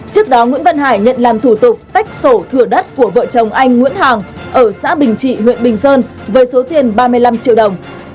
trước đó nguyễn văn hải nhận làm thủ tục tách sổ thửa đất của vợ chồng anh nguyễn hàng ở xã bình trị huyện bình sơn với số tiền ba mươi năm triệu đồng